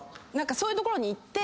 そういう所に行って。